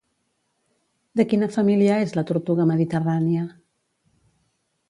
De quina família és la tortuga mediterrània?